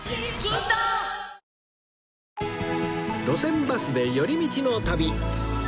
『路線バスで寄り道の旅』